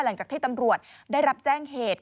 หลังจากที่ตำรวจได้รับแจ้งเหตุ